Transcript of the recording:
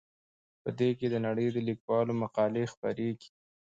په دې کې د نړۍ د لیکوالو مقالې خپریږي.